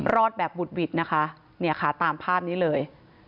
รอดแบบบุดหวิดนะคะเนี่ยค่ะตามภาพนี้เลย